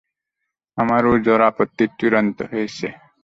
আমার ওযর আপত্তির চূড়ান্ত হয়েছে।